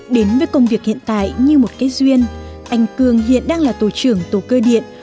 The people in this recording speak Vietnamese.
đến với công việc hiện tại như một cái duyên anh cường hiện đang là tổ trưởng tổ cơ điện